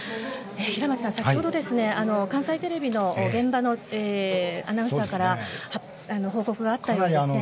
平松さん、先ほど、関西テレビの現場アナウンサーから報告があったようですね。